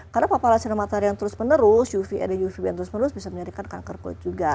karena papalacina matahari yang terus menerus uv area uvb yang terus menerus bisa menjadikan kanker kulit juga